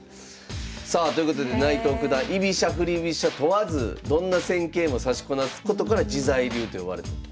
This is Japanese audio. さあということで内藤九段居飛車振り飛車問わずどんな戦型も指しこなすことから自在流と呼ばれたと。